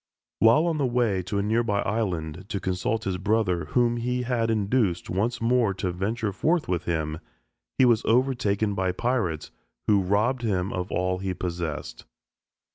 While on the way to a nearby island to consult his brother whom he had induced once more to venture forth with him, he was overtaken by pirates who robbed him of all he possessed.